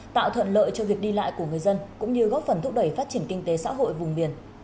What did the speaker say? tạo thuận lợi cho việc đi lại của người dân cũng như góp phần thúc đẩy phát triển kinh tế xã hội vùng biển